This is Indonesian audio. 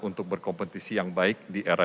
untuk berkompetisi yang baik di era